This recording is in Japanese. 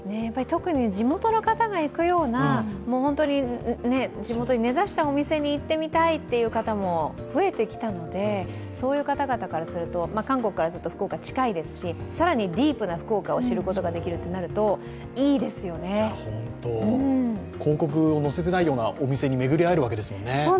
特に地元の方が行くような地元に根ざしたお店に行ってみたいという方も増えてきたのでそういう方々からすると、韓国からすると、福岡は近いですし更にディープな福岡を知ることができるとなると広告を載せていないようなお店に巡り会えるわけですもんね。